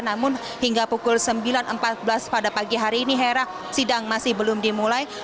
namun hingga pukul sembilan empat belas pada pagi hari ini hera sidang masih belum dimulai